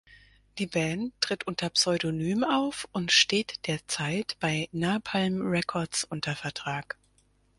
Die Band tritt unter Pseudonym auf und steht derzeit bei Napalm Records unter Vertrag.